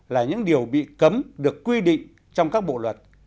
là những điều bị cấm được quy định trong các bộ luật